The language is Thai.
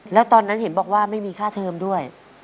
แล้วตอนนั้นเห็นบอกว่าไม่มีค่าเทอมด้วย